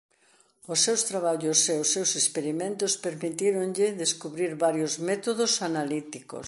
Os seus traballos e os seus experimentos permitíronlle descubrir varios métodos analíticos.